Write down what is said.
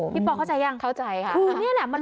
พี่ปอล์เข้าใจหรือยัง